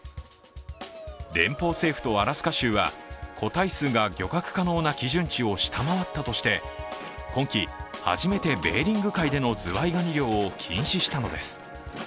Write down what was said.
連邦政府とアラスカ州は個体数が漁獲可能な基準値を下回ったとして今季初めてベーリング海でのズワイガニ漁を禁止したのです。